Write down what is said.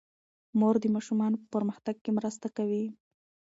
مور د ماشومانو په پرمختګ کې مرسته کوي.